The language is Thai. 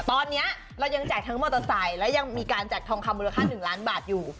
ตอนนี้เรายังแจกทั้งมอเตอร์ไซค์และยังมีการแจกทองคำมูลค่า๑ล้านบาทอยู่